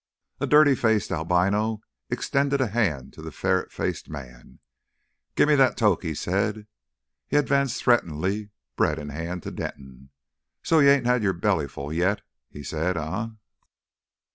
A dirty faced albino extended a hand to the ferret faced man. "Gimme that toke," he said. He advanced threateningly, bread in hand, to Denton. "So you ain't 'ad your bellyful yet," he said. "Eh?"